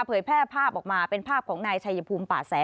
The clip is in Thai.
แพร่ภาพออกมาเป็นภาพของนายชัยภูมิป่าแส